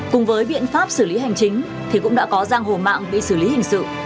cùng với biện pháp xử lý hành chính thì cũng đã có giang hổ mạng bị xử lý hình sự